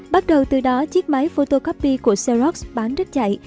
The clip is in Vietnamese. bắt đầu từ đó chiếc máy photocopy của seoros bán rất chạy